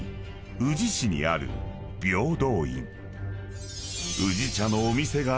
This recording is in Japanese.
宇治市にある平等院］